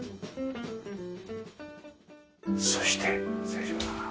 そして失礼します。